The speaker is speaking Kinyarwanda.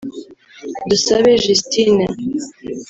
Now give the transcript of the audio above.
Dusabe Justine